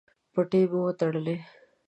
پټۍ مو تړلی؟